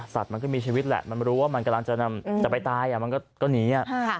มันก็มีชีวิตแหละมันรู้ว่ามันกำลังจะไปตายมันก็หนี